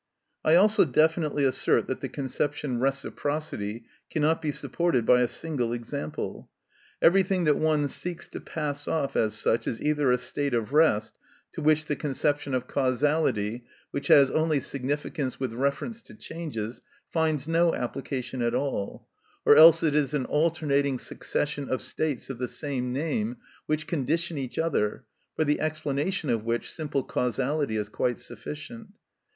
I also definitely assert that the conception reciprocity cannot be supported by a single example. Everything that one seeks to pass off as such is either a state of rest, to which the conception of causality, which has only significance with reference to changes, finds no application at all, or else it is an alternating succession of states of the same name which condition each other, for the explanation of which simple causality is quite sufficient.